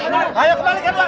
kembalikan uang tr kami kemana